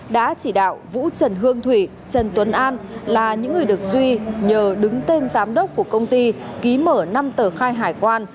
đã chỉ đạo vũ trần hương thủy trần tuấn an là những người được duy nhờ đứng tên giám đốc của công ty ký mở năm tờ khai hải quan